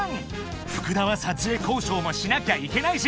［福田は撮影交渉もしなきゃいけないし］